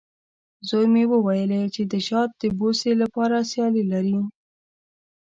زوی مې وویلې، چې د شات د بوسې لپاره سیالي لري.